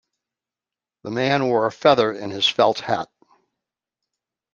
The man wore a feather in his felt hat.